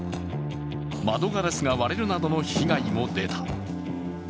窓ガラスが割れるなどの被害も出た。